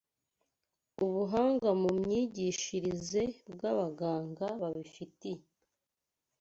Ubuhanga mu myigishirize bw’abaganga babifitiye